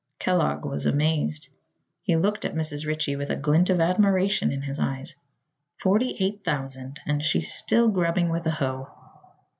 Kellogg was amazed. He looked at Mrs. Ritchie with a glint of admiration in his eyes. Forty eight thousand, and she still grubbing with a hoe!